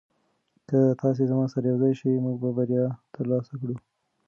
که تاسي زما سره یوځای شئ موږ به بریا ترلاسه کړو.